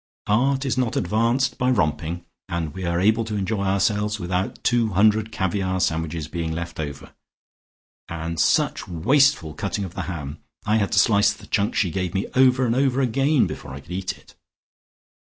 Art is not advanced by romping, and we are able to enjoy ourselves without two hundred caviare sandwiches being left over. And such wasteful cutting of the ham; I had to slice the chunk she gave me over and over again before I could eat it."